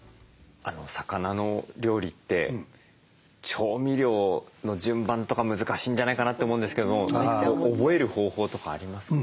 魚の料理って調味料の順番とか難しいんじゃないかなって思うんですけど覚える方法とかありますか？